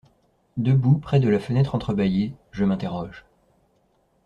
Debout près de la fenêtre entrebâillée, je m’interroge.